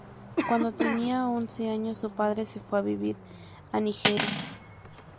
Cuando tenía once años su padre se fue a vivir a Nigeria.